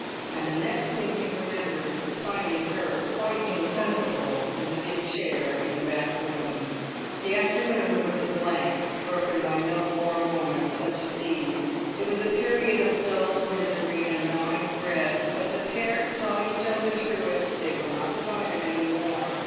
And the next thing he remembered was finding her quite insensible in the big chair in the back room. The afternoon was a blank broken by no more moments such as these. It was a period of dull misery and gnawing dread; but the pair saw each other through it, they were not divided any more.